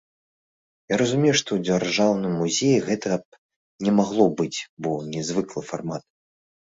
Я разумею, што ў дзяржаўным музеі гэтага б не магло быць, бо нязвыклы фармат.